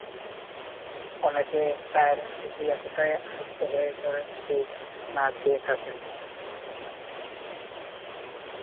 অনেকে ডায়েটের প্রতি এতটাই আসক্ত হয়ে পড়েন যে, না খেয়ে থাকেন।